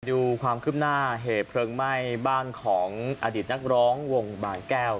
ดูความคืบหน้าเหตุเพลิงไหม้บ้านของอดีตนักร้องวงบางแก้ว